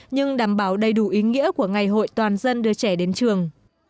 nhưng đảm bảo đầy đủ ý nghĩa của ngày hội toàn dân đưa trẻ đến trường